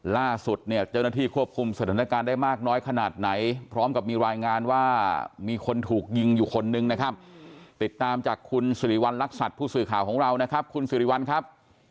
ล่าสุดเนี่ยเจ้าหน้าที่ควบคุมสถานการณ์ได้มากน้อยขนาดไหนพร้อมกับมีรายงานว่ามีคนถูกยิงอยู่คนนึงนะครับติดตามจากคุณสิริวัณรักษัตริย์ผู้สื่อข่าวของเรานะครับคุณสิริวัลครับ